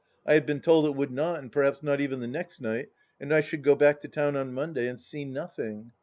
I had been told it would not, and perhaps not even the next night, and I should go back to town on Monday and see nothing.